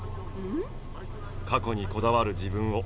過去にこだわる自分を。